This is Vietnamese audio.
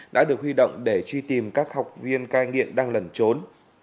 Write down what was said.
đã được huy động để truy tìm các học viên cai nghiện đang lẩn trốn